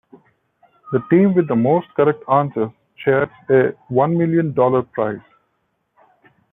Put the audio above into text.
The team with the most correct answers shares a one million dollar prize.